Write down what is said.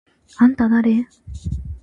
あんただれ？！？